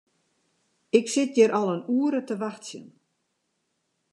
Ik sit hjir al in oere te wachtsjen.